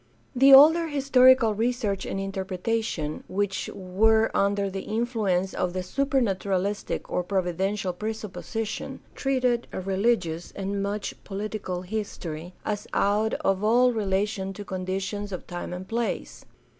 The older historical research and interpretation, which were under the influence of the supernaturalistic or provi dential presupposition, treated religious and much political history as out of all relation to conditions of time and place.